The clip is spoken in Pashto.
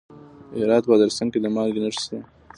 د هرات په ادرسکن کې د مالګې نښې شته.